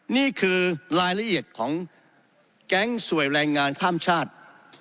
นี่คือรายละเอียดของแก๊งสวยแรงงานข้ามชาติ